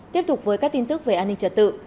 tiếp tục với các tin tức về an ninh trật tự